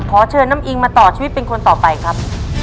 ขอเชิญน้ำอิงมาต่อชีวิตเป็นคนต่อไปครับ